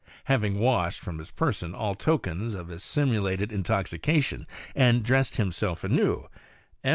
Having washed from his person all tokens of his simulated in toxication, and dressed himself anew, M.